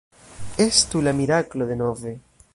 Estu la miraklo denove!